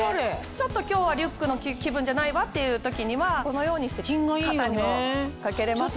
ちょっと今日はリュックの気分じゃないわっていう時にはこのようにして肩にも掛けれます。